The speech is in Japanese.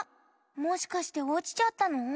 もしかしておちちゃったの？